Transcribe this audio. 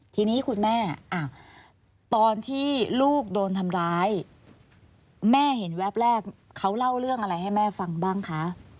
ทีนี้คุณแม่ตอนที่ลูกโดนทำร้ายแม่เห็นแวบแรกเขาเล่าเรื่องอะไรให้แม่ฟังบ้างคะ